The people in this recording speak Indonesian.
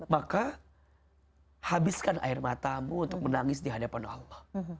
maka habiskan air matamu untuk menangis dihadapan allah